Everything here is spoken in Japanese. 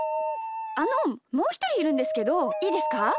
あのもうひとりいるんですけどいいですか？